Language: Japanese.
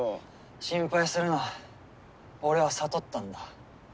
心配するな俺は悟ったんだ。